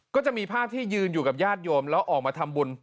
ก็จะมีภาพที่ยืนอยู่กับญาติโยมแล้วออกมาทำบุญ